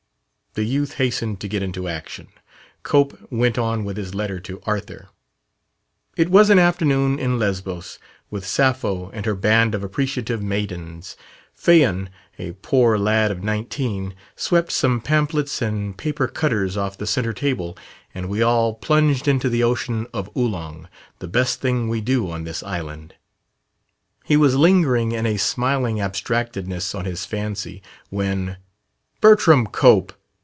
The youth hastened to get into action. Cope went on with his letter to "Arthur": "It was an afternoon in Lesbos with Sappho and her band of appreciative maidens. Phaon, a poor lad of nineteen, swept some pamphlets and paper cutters off the center table, and we all plunged into the ocean of Oolong the best thing we do on this island...." He was lingering in a smiling abstractedness on his fancy, when "Bertram Cope!"